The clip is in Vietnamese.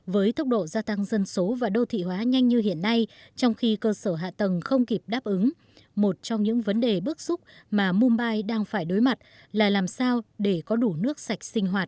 với tốc độ gia tăng dân số và đô thị hóa nhanh như hiện nay trong khi cơ sở hạ tầng không kịp đáp ứng một trong những vấn đề bước xúc mà mumbai đang phải đối mặt là làm sao để có đủ nước sạch sinh hoạt